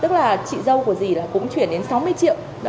tức là chị dâu của dì là cũng chuyển đến sáu mươi triệu